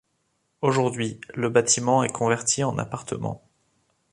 Aujourd'hui le bâtiment est converti en appartements.